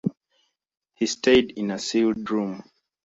He stayed in a sealed room.